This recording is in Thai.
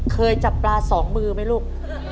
เคยจับปลาสองมือไหมลูก